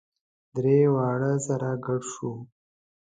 درې واړه سره ګډ شوو.